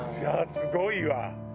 すごいわ。